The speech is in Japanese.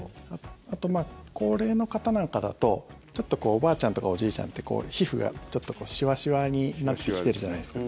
あと高齢の方なんかだとちょっとおばあちゃんとかおじいちゃんって皮膚がちょっとシワシワになってきてるじゃないですか。